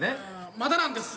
まだなんです。